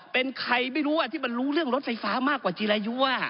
เป็นใครไม่รู้ที่มันรู้เรื่องรถไฟฟ้ามากกว่าจีรายุ